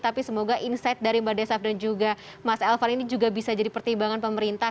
tapi semoga insight dari mbak desaf dan juga mas elvan ini juga bisa jadi pertimbangan pemerintah